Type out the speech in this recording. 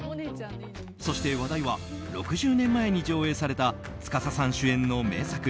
そして話題は６０年前に上映された司さん主演の名作